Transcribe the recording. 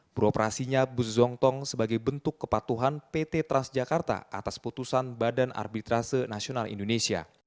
beroperasinya bus zongtong sebagai bentuk kepatuhan pt transjakarta atas putusan badan arbitrase nasional indonesia